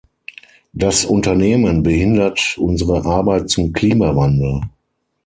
Das Unternehmen behindert unsere Arbeit zum Klimawandel.